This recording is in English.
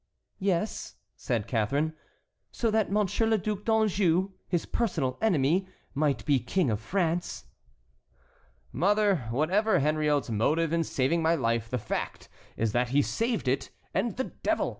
"Yes," said Catharine, "so that Monsieur le Duc d'Anjou, his personal enemy, might be King of France." "Mother, whatever Henriot's motive in saving my life, the fact is that he saved it, and, the devil!